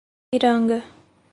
Piranga